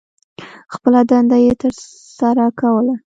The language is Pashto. خپله دنده یې تر سرہ کوله.